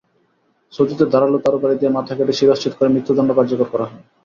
সৌদিতে ধারালো তরবারি দিয়ে মাথা কেটে শিরশ্ছেদ করে মৃত্যুদণ্ড কার্যকর করা হয়।